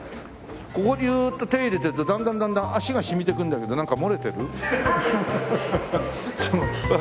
ここにずーっと手入れてるとだんだんだんだん足が染みてくるんだけどなんか漏れてる？